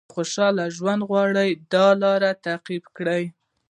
که خوشاله ژوند غواړئ دا لارې تعقیب کړئ.